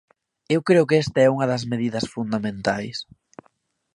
Eu creo que esta é unha das medidas fundamentais.